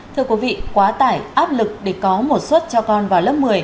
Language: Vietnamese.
thưa quý vị quá tải áp lực để có một suất cho con vào lớp một mươi